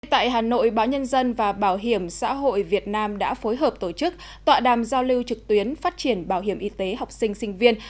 tại hà nội báo nhân dân và bảo hiểm xã hội việt nam đã phối hợp tổ chức tọa đàm giao lưu trực tuyến phát triển bảo hiểm y tế học sinh sinh viên